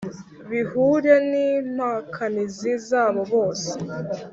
Bihure n’impakanizi zabo bose